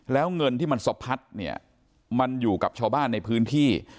แล้วเงินที่มันสะพัดเนี่ยมันอยู่กับชาวบ้านในพื้นที่